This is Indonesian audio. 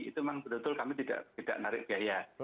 itu memang betul betul kami tidak narik biaya